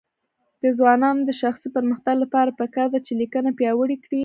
د ځوانانو د شخصي پرمختګ لپاره پکار ده چې لیکنه پیاوړې کړي.